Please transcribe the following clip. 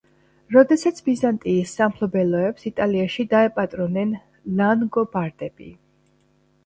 როდესაც ბიზანტიის სამფლობელოებს იტალიაში დაეპატრონნენ ლანგობარდები.